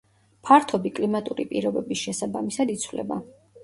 ფართობი კლიმატური პირობების შესაბამისად იცვლება.